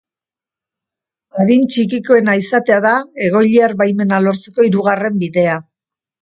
Adin txikikoena izatea da egoiliar baimena lortzeko hirugarren bidea.